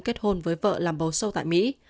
kết hôn với vợ làm bầu sâu tại mỹ